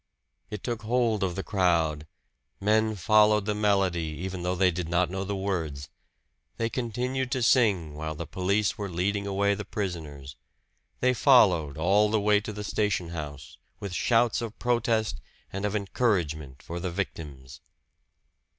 It took hold of the crowd men followed the melody, even though they did not know the words. They continued to sing while the police were leading away their prisoners; they followed, all the way to the station house, with shouts of protest, and of encouragement for the victims.